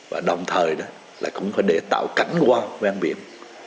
và đồng thời cũng phải để tạo cảnh qua ven biển